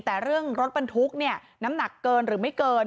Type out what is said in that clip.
แต่เรื่องรถบรรทุกเนี่ยน้ำหนักเกินหรือไม่เกิน